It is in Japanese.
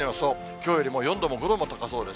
きょうよりも４度も５度も高そうです。